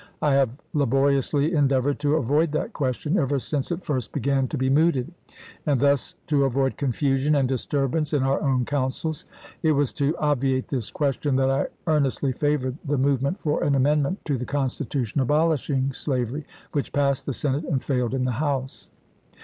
I have laboriously endeav ored to avoid that question ever since it first began to be mooted, and thus to avoid confusion and dis turbance in our own councils. It was to obviate this question that I earnestly favored the move ment for an amendment to the Constitution abolishing slavery, which passed the Senate and failed in the House.